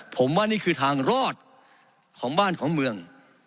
ผมว่านี่คือทางรอดของบ้านของเมือง